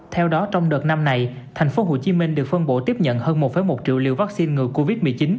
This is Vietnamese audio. theo đó trong đợt năm này tp hcm được phân bổ tiếp nhận hơn một một triệu liều vaccine ngừa covid một mươi chín